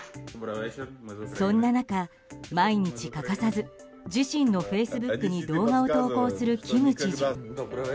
そんな中、毎日欠かさず自身のフェイスブックに動画を投稿する、キム知事。